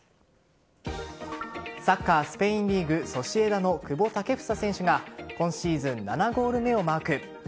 サッカー・スペインリーグソシエダの久保建英選手が今シーズン７ゴール目をマーク。